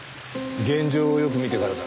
現場をよく見てからだ。